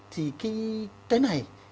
thì cái này